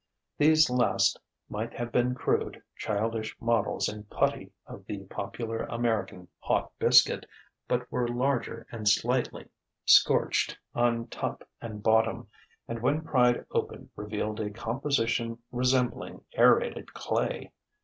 These last might have been crude, childish models in putty of the popular American "hot biscuit," but were larger and slightly scorched on top and bottom, and when pried open revealed a composition resembling aerated clay.